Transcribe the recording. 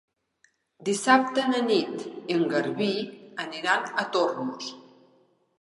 Dissabte na Nit i en Garbí aniran a Tormos.